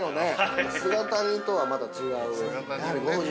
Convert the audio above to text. ◆姿煮とは、また違う。